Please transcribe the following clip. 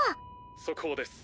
速報です